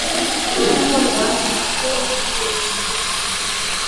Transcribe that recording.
watakiwa mwanamke kwa kweli uwe unapendeza naa labdaa